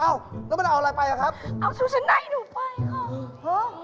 เอ้าแล้วมันเอาอะไรไปครับเอาชุดชะไน่หนูไปค่ะ